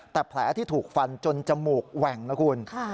แต่แผลที่ถูกฟันจนจมูกแหว่งนะคุณ